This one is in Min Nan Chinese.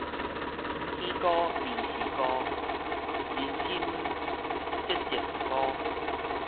天高未是高，人心節節高